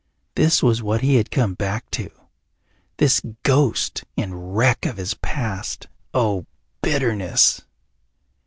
This was what he had come back to this ghost and wreck of his past! Oh, bitterness!